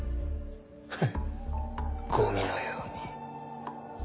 フッゴミのように。